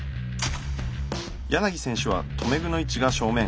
選手は留め具の位置が正面。